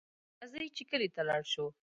راځئ چې کلي ته لاړ شو